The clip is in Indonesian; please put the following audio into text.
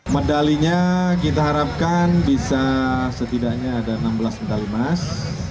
medalinya kita harapkan bisa setidaknya ada enam belas medali emas